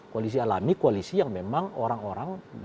koalisi alami koalisi yang memang orang orang